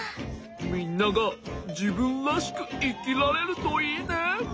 みんながじぶんらしくいきられるといいね。